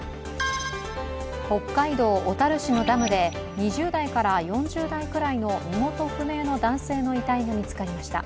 北海道小樽市のダムで２０代から４０代くらいの身元不明の男性の遺体が見つかりました。